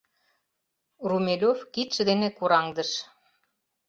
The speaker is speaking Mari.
Румелёв кидше дене кораҥдыш.